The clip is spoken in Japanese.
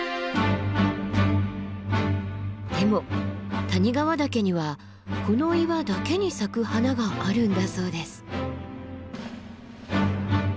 でも谷川岳にはこの岩だけに咲く花があるんだそうです。